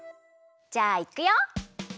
じゃあいくよ！